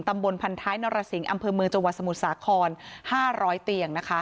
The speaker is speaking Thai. ตำบลพันท้ายนรสิงห์อำเภอเมืองจังหวัดสมุทรสาคร๕๐๐เตียงนะคะ